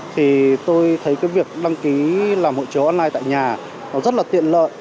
thì tôi thấy việc đăng ký làm hộ chiếu online tại nhà rất là tiện lợi